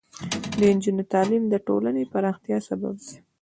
د نجونو تعلیم د ټولنې پراختیا سبب دی.